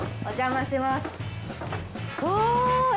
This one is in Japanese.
お邪魔します。